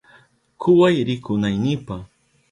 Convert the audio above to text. Kuway rikunaynipa.